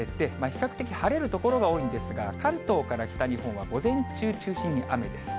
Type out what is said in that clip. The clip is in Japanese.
比較的晴れる所が多いんですが、関東から北日本は午前中中心に雨です。